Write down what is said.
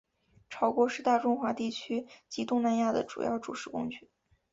炒锅是大中华地区及东南亚的主要煮食工具。